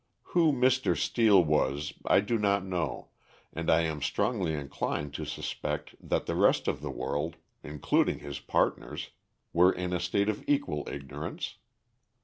Who Mr. Steel was I do not know, and I am strongly inclined to suspect that the rest of the world, including his partners, were in a state of equal ignorance.